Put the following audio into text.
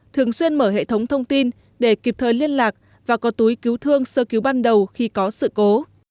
thường xuyên mở hệ thống thông tin để kịp thời liên lạc và có túi cứu thương sơ cứu ban đầu khi có sự cố